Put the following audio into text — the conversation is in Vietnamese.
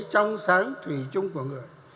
trong sáng thủy chung của người